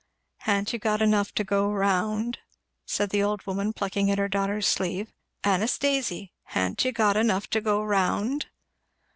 "Ha'n't you got enough to go round?" said the old woman plucking at her daughter's sleeve, "Anastasy! ha'n't you got enough to go round?"